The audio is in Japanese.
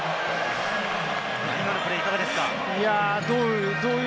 今のプレー、いかがですか？